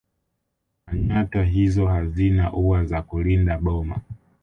Manyatta hizo hazina ua za kulinda boma